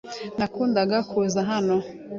Nakundaga kuza hano.